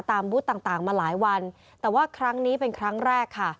บูธต่างมาหลายวันแต่ว่าครั้งนี้เป็นครั้งแรกค่ะ